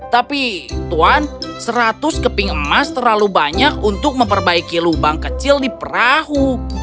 tapi tuan seratus keping emas terlalu banyak untuk memperbaiki lubang kecil di perahu